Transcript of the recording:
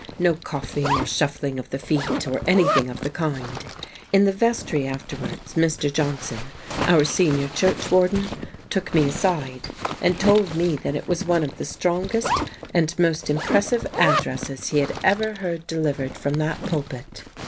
No coughing or shuffling of the feet, or anything of the kind. In the vestiy afterwards, Mr. Johnson, our senior churchwarden, took me aside, and tokl me that it was one of the strongest and most impressive ad dresses he had ever heard delivered from that pulpit.